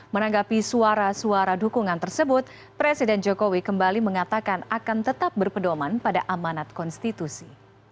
menanggapi suara suara dukungan tersebut presiden jokowi kembali mengatakan akan tetap berpedoman pada amanat konstitusi